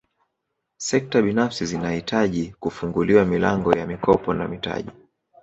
Sekta binafsi zinahitaji kufunguliwa milango ya mikopo na mitaji